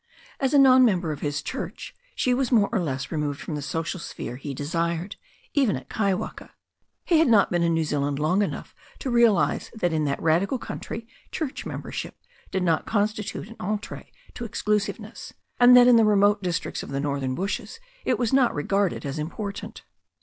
As a non member of his church, she was more or less removed from the social sphere he desired, even at Kaiwaka. He had not been in New Zealand long enough to realize that in that radical country church membership did not constitute an entree to exclusiveness, and that in the remote districts of the northern bushes it was not regarded as important.